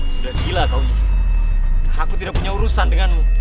sudah gila kau nyai aku tidak punya urusan denganmu